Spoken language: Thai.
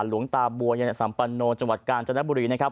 หลวงตาบัวยังแต่สัมปันนทร์จังหวัดกาลจันทร์นักบุรีนะครับ